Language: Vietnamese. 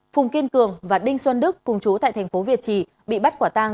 phùng kiên cường và đinh xuân đức cùng chú tại thành phố việt trì bị bắt quả tang